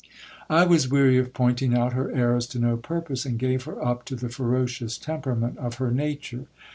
I was weary of pointing out her errors to no purpose, and gave her up to the ferocious temperament of her nature.